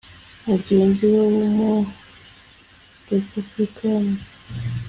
Mugenzi we w’umu-Republicain